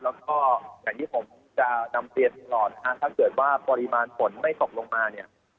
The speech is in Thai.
แล้วก็อย่างที่ผมจะนำเปรียบเป็นรอยถ้าเกิดว่าริมันผลไม่ตกลงมาเนี่ย